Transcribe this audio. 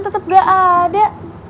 tetep gak ada